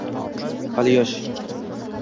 Hali yosh…